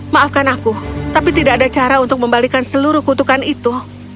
maafkan aku tapi tidak ada cara untuk membalikan seluruh kutukan itu